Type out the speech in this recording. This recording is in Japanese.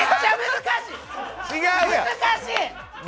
難しい！